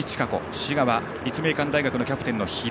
滋賀は、立命館大学のキャプテン飛田。